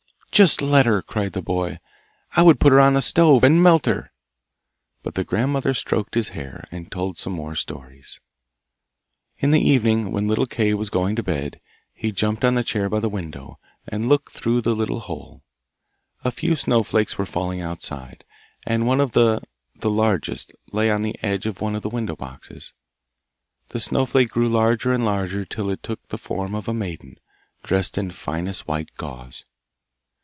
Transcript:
'Just let her!' cried the boy, 'I would put her on the stove, and melt her!' But the grandmother stroked his hair, and told some more stories. In the evening, when little Kay was going to bed, he jumped on the chair by the window, and looked through the little hole. A few snow flakes were falling outside, and one of the, the largest, lay on the edge of one of the window boxes. The snow flake grew larger and larger till it took the form of a maiden, dressed in finest white gauze.